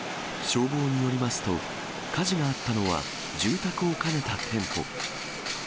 消防によりますと、火事があったのは、住宅を兼ねた店舗。